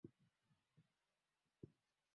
Walokuwa mahabuba, kila mara wagombana,